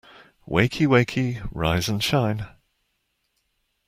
Wakey, wakey! Rise and shine!